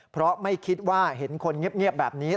เพราะไม่คิดว่าเห็นคนเงียบแบบนี้